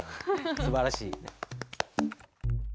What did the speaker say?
すばらしい。